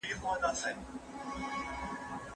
ولي د حقایقو پر بنسټ پرېکړه کول ذهن ته امنیت ورکوي؟